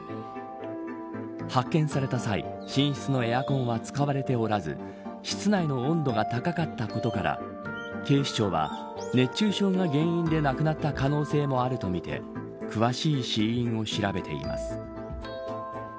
発見された際寝室のエアコンは使われておらず室内の温度が高かったことから警視庁は、熱中症が原因で亡くなった可能性もあるとみて詳しい死因を調べています。